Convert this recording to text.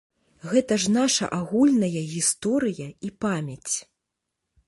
Гэта ж наша агульная гісторыя і памяць!